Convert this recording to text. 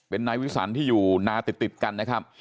เป็นนายวิสันที่อยู่นาติดกันนะครับ